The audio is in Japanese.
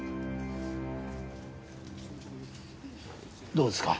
どうですか？